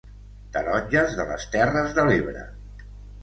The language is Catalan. Taronges de les terres de l'Ebre